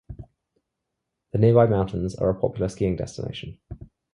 The nearby mountains are a popular skiing destination.